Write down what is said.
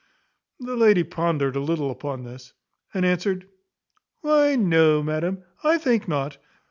The lady pondered a little upon this, and thus answered "Why, no, madam, I think not.